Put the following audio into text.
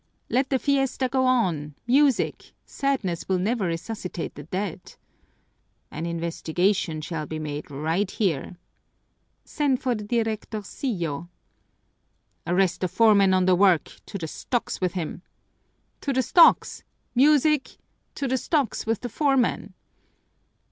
"Let the fiesta go on! Music! Sadness will never resuscitate the dead!" "An investigation shall be made right here!" "Send for the directorcillo!" "Arrest the foreman on the work! To the stocks with him!" "To the stocks! Music! To the stocks with the foreman!"